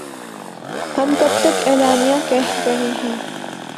ہم کب سے اعلانیہ کہہ رہے ہیں